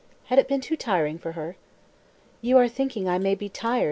Had it been too tiring for her? "You are thinking I may be tired!"